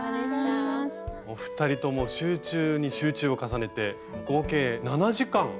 お二人とも集中に集中を重ねて合計７時間。